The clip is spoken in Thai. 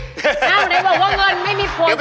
อ้าวเดี๋ยวบอกว่าเงินไม่มีโพสต์ต่อจิตใจ